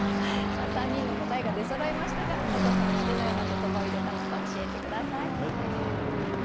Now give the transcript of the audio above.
さあ３人の答えが出そろいましたが笹さんはどのような言葉を入れたのか教えて下さい。